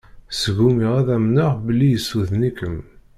Sgumiɣ ad amneɣ belli yessuden-ikem.